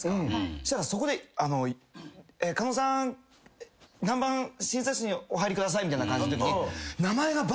したらそこで「狩野さん何番診察室にお入りください」みたいな感じのときに。